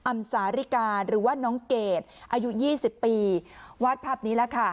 สาริกาหรือว่าน้องเกดอายุ๒๐ปีวาดภาพนี้แล้วค่ะ